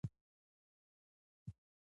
د وسایلو په جوړولو کې له چخماق استفاده کیده.